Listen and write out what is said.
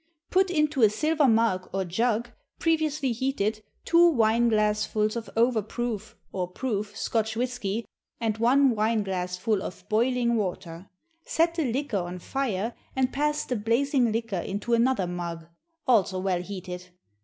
Put into a silver mug, or jug, previously heated, two wine glassfuls of overproof (or proof) Scotch whisky, and one wine glassful of boiling water. Set the liquor on fire, and pass the blazing liquor into another mug, also well heated.